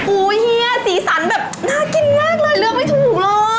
เฮียสีสันแบบน่ากินมากเลยเลือกไม่ถูกเลย